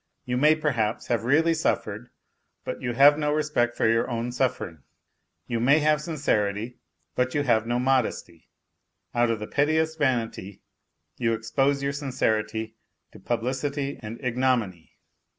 You may, perhaps, have really suffered, but you have no respect for your own suffering. You may have sincerity, but you have no modesty ; out of the pettiest vanity you expose your sincerity to publicity and ignominy.